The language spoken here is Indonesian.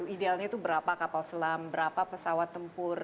idealnya itu berapa kapal selam berapa pesawat tempur